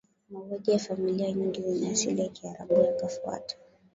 Mauaji ya familia nyingi zenye asili ya Kiarabu yakafuata